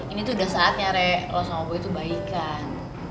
ini tuh udah saatnya rek lo sama gue itu baikan